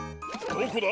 どこだ？